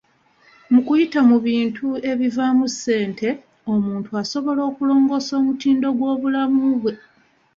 Mu kuyita mu bintu ebivaamu ssente, omuntu asobola okulongoosa omutindo gw'obulamu bwe.